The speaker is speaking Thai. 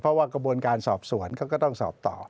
เพราะว่ากระบวนการสอบสวนเขาก็ต้องสอบต่อ